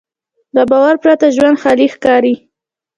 له باور پرته ژوند خالي ښکاري.